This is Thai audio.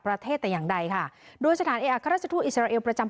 ประเทศแต่อย่างใดค่ะโดยสถานเอกอัครราชทูตอิสราเอลประจำ